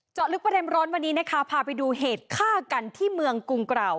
ลึกประเด็นร้อนวันนี้นะคะพาไปดูเหตุฆ่ากันที่เมืองกรุงเกราว